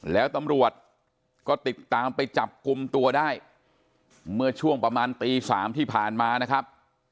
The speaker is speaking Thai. แล้วตำรวจก็ติดตามไปจับกลุ่มตัวได้เมื่อช่วงประมาณตี๓ที่ผ่านมานะครับ